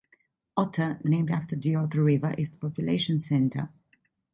Otta, named after the Otta River, is the population center.